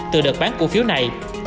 từ đợt bán cổ phiếu này